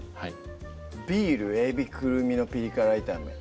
ビール「海老とクルミのピリ辛炒め」